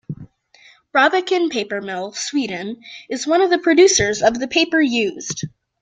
Braviken Paper Mill, Sweden is one of the producers of the paper used.